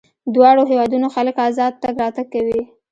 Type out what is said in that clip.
دواړو هېوادونو خلک ازاد تګ راتګ کوي.